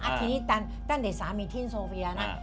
ทีนี้ตั้งแต่สามีที่โซเฟียนะ